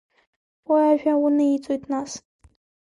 Уи ажәа униҵоит, нас…